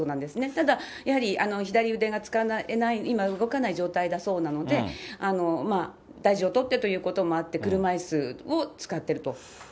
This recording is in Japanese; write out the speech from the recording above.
ただやはり、左腕が使えない、今、動かない状態だそうなので、大事を取ってということもあって、車いすをつかってると。